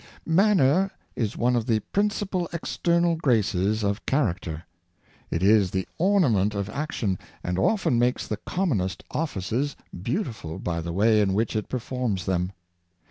ANNER is one of the principal external graces of character. It is the ornament of action, and often makes the commonest offices beauti ful by the way in which it performs them.